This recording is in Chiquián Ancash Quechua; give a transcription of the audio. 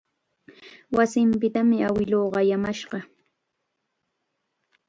Wasinpitam awiluu qayamashqa.